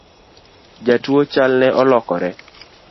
Jatuo chalne olokore